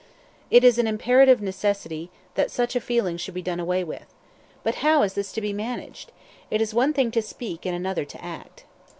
It is an imperative necessity that such a feeling should be done away with. But how is this to be managed? It is one thing to speak, and another to act.